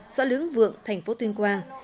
xã lưỡng vượng thành phố tuyên quang